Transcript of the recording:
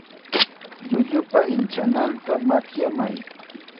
Llullupa inchananta makyamay.